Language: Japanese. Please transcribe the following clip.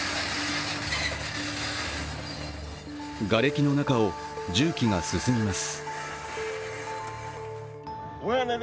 がれきの中を重機が進みます。